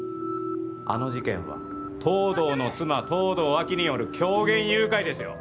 あの事件は東堂の妻東堂亜希による狂言誘拐ですよ